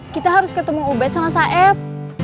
kita harus ketemu ubet sama saeb